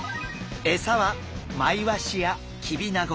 エサはマイワシやキビナゴ。